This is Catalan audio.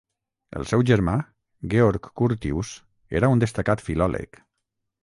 El seu germà, Georg Curtius, era un destacat filòleg.